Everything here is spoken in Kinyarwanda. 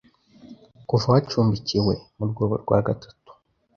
kuva wacumbikiwe mu rwobo rwa gatatu